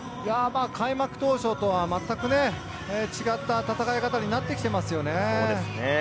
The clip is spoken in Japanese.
開幕当初とはまったく違った戦い方になってきてますよね。